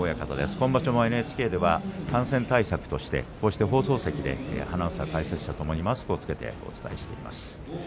今場所もＮＨＫでは感染対策としてこうして放送席でもアナウンサー、解説者ともにマスクを着けてお伝えしています。